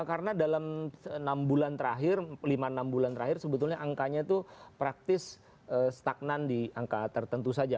karena dalam enam bulan terakhir lima enam bulan terakhir sebetulnya angkanya itu praktis stagnan di angka tertentu saja